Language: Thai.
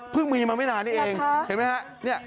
เพิ่งมีมาไม่นานนี้เองเห็นมั้ยฮะ